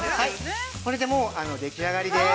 これでもう、でき上がりです。